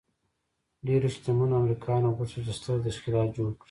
ډېرو شتمنو امریکایانو غوښتل چې ستر تشکیلات جوړ کړي